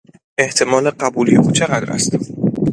احتمال قبولی او چقدر است؟